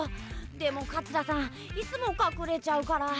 でも桂さんいつもかくれちゃうから。